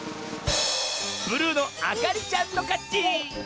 ブルーのあかりちゃんのかち！